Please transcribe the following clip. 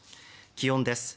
気温です。